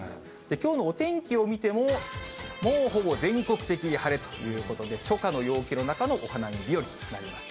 きょうのお天気を見ても、もうほぼ全国的に晴れということで、初夏の陽気の中のお花見日和となります。